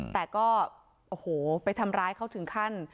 แต่ก็โอ้โหไปทำร้ายเขาถึงขั้น